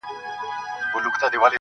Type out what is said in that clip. او په لوړ ږغ په ژړا سو.